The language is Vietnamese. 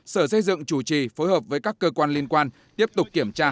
sở xây dựng chủ trì phối hợp với các cơ quan liên quan tiếp tục kiểm tra